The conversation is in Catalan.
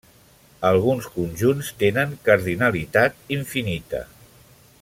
Alguns conjunts tenen cardinalitat infinita.